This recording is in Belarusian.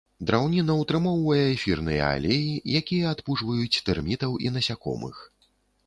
Драўніна ўтрымоўвае эфірныя алеі, якія адпужваюць тэрмітаў і насякомых.